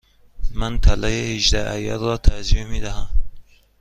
من طلای هجده عیار را ترجیح می دهم.